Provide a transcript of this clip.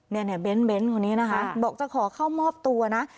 เนี่ยเนี่ยเบนต์เบนต์คนนี้นะคะบอกจะขอเข้ามอบตัวนะ